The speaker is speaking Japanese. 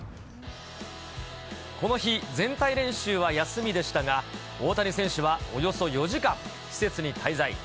この日、全体練習は休みでしたが、大谷選手はおよそ４時間、施設に滞在。